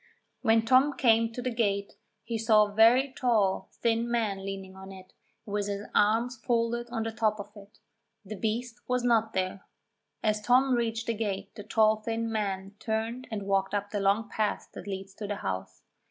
When Tom came to the gate he saw a very tall, thin man leaning on it, with his arms folded on the top of it. The beast was not there. As Tom reached the gate the tall thin man turned and walked up the long path that leads to the house.